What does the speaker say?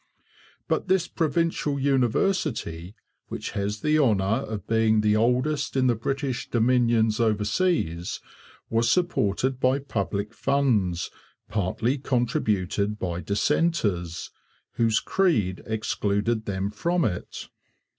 But this provincial university, which has the honour of being the oldest in the British dominions overseas, was supported by public funds partly contributed by 'dissenters,' whose creed excluded them from it.